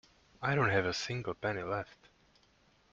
I don't have a single penny left.